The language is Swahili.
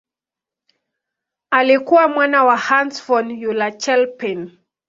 Alikuwa mwana wa Hans von Euler-Chelpin.